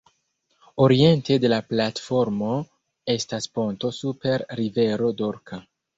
Oriente de la platformo estas ponto super rivero Dorka.